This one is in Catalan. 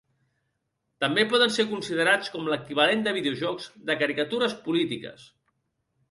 També poden ser considerats com l'equivalent de videojocs de caricatures polítiques.